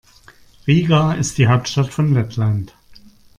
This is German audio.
Riga ist die Hauptstadt von Lettland.